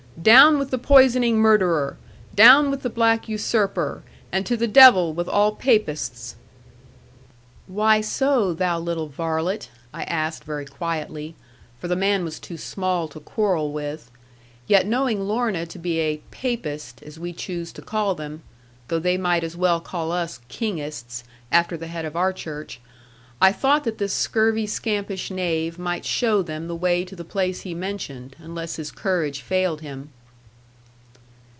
Down with the poisoning murderer! Down with the black usurper, and to the devil with all papists!' 'Why so, thou little varlet?' I asked very quietly; for the man was too small to quarrel with: yet knowing Lorna to be a 'papist,' as we choose to call them though they might as well call us 'kingists,' after the head of our Church I thought that this scurvy scampish knave might show them the way to the place he mentioned, unless his courage failed him.